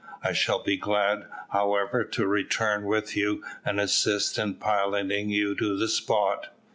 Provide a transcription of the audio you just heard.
I shall be glad, however, to return with you, and assist in piloting you to the spot."